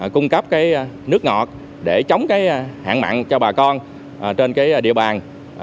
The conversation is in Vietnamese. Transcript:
cung cấp nước ngọt để chống hạn mặn cho bà con trên địa bàn